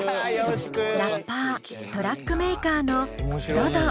ラッパートラックメーカーのｄｏｄｏ。